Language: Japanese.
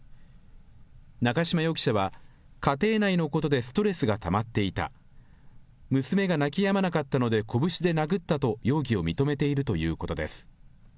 中島容疑者は、家庭内のことでストレスがたまっていた、娘が泣き止まなかったのでこぶしで殴ったと容疑を認めているということです。